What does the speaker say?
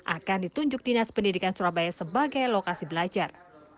akan ditunjuk dinas pendidikan surabaya sebagai lokasi belajar